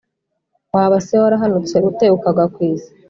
Waba se warahanutse ute ukagwa ku isi,